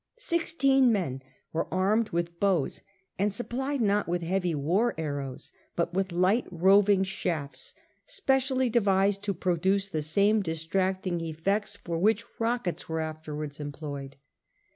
Sixteen men were armed with bows, and supplied not with heavy war arrows but with light roving shafts, specially devised to produce the same distracting effects for which rockets were afterwards employed.